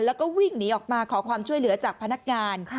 แล้วก็วิ่งหนีออกมาขอความช่วยเหลือจากพนักงาน